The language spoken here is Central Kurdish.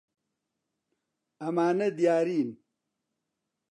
ئەمانە دیارین.